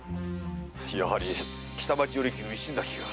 やはり北町与力の石崎が。